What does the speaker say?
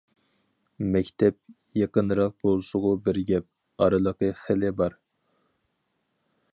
مەكتەپ يېقىنراق بولسىغۇ بىر گەپ، ئارىلىق خېلى بار.